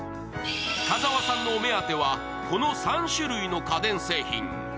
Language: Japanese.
深澤さんのお目当ては、この３種類の家電製品。